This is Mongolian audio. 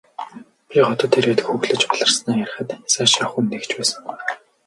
Би хотод ирээд хөглөж баларснаа ярихад сайшаах хүн нэг ч байсангүй.